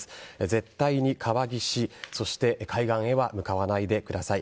絶対に川岸そして海岸へは向かわないでください。